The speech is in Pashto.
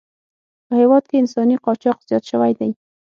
په هېواد کې انساني قاچاق زیات شوی دی.